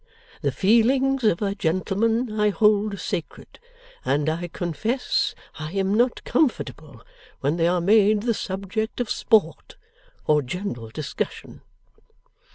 The feelings of a gentleman I hold sacred, and I confess I am not comfortable when they are made the subject of sport or general discussion.